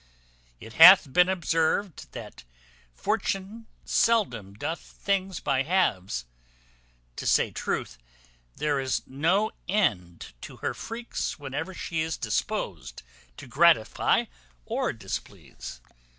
It hath been observed, that Fortune seldom doth things by halves. To say truth, there is no end to her freaks whenever she is disposed to gratify or displease.